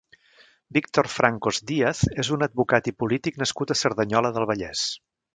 Víctor Francos Díaz és un advocat i polític nascut a Cerdanyola del Vallès.